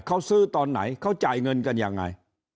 เขาซื้อตอนไหนเขาจ่ายเงินกันยังไง